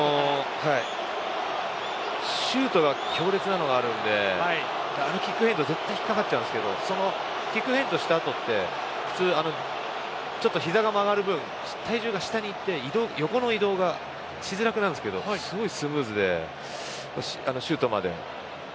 シュートが強烈なのがあるのであのキックフェイント絶対引っかかっちゃいますがキックフェイントしたあとって普通、ひざが曲がる分体重が下に行って横の移動がしづらくなるんですがすごいスムーズにシュートまで。